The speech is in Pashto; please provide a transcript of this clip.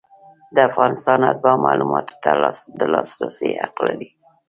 د افغانستان اتباع معلوماتو ته د لاسرسي حق لري.